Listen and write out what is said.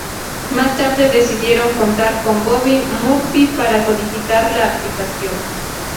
Más tarde decidieron contar con Bobby Murphy para codificar la aplicación.